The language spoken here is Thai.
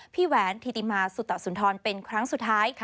แหวนธิติมาสุตสุนทรเป็นครั้งสุดท้าย